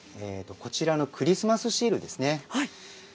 こちらのクリスマスシールですね。